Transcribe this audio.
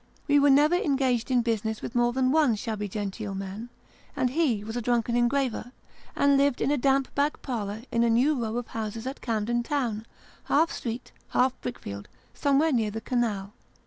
We were never engaged in business with more than one shabby genteel man ; and he was a drunken engraver, and lived in a damp back parlour in a new row of houses at Camden Town, half street, half brick field, somewhere near the canal.